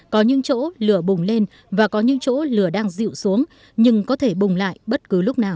có những chỗ lửa bùng lên và có những chỗ lửa đang dịu xuống nhưng có thể bùng lại bất cứ lúc nào